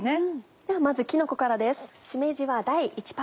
ではまずきのこからです。